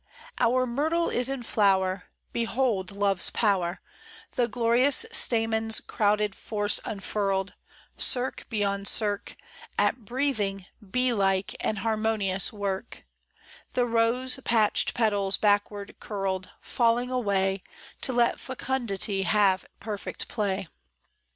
SI OUR myrtle is in flower ; Behold Love's power 1 The glorious stamens* crowded force unfurled, Cirque beyond cirque At breathing, bee like, and harmonious work ; The rose patched petals backward curled, Falling away To let fecundity have perfect play.